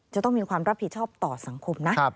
จะต้องมีความรับผิดชอบต่อสังคมนะ